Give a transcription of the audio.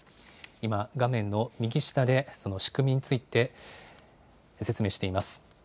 今、画面の右下で、その仕組みについて説明しています。